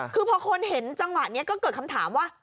คือพอคนเห็นจังหวะนี้ก็เกิดคำถามว่า